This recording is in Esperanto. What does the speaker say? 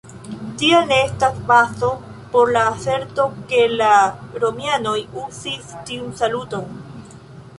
Tial ne estas bazo por la aserto ke la romianoj uzis tiun saluton.